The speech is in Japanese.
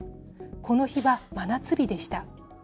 この日は真夏日でした。